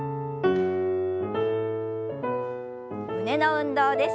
胸の運動です。